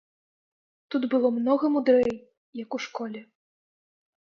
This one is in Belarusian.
Тут было многа мудрэй, як у школе.